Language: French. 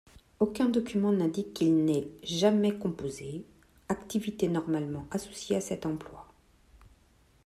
Aucun document n'indique qu'il ait jamais composé, activité normalement associée à cet emploi.